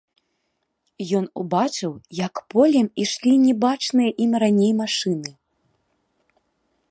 Ён убачыў, як полем ішлі не бачаныя ім раней машыны.